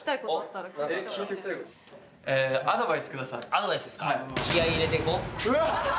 アドバイスですか？